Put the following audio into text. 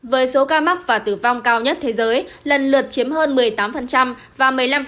với số ca mắc và tử vong cao nhất thế giới lần lượt chiếm hơn một mươi tám và một mươi năm